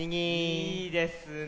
いいですね！